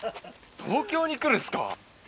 東京に来るんですか。